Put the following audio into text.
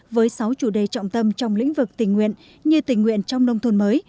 với sáu chủ đề trọng tâm trong lĩnh vực tình nguyện như tình nguyện trong nông thôn mới